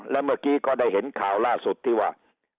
และเมื่อกี้ก็ได้เห็นข่าวล่าสุดที่ว่า